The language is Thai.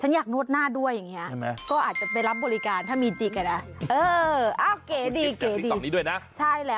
อย่างเดียวฉะนั้นผมชอบน่ะ